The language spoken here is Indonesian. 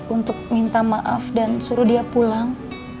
untuk minta maaf dan suruh dia pulang